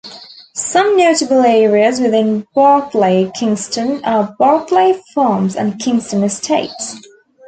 Some notable areas within Barclay-Kingston are Barclay Farms and Kingston Estates.